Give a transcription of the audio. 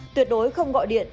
tuyệt đối không gọi điện